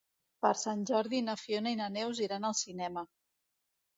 Per Sant Jordi na Fiona i na Neus iran al cinema.